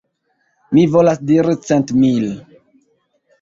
Mi volas diri cent mil.